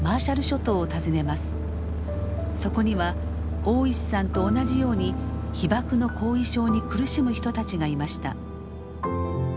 そこには大石さんと同じように被ばくの後遺症に苦しむ人たちがいました。